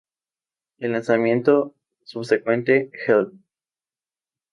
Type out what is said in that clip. El lanzamiento subsecuente, "Help!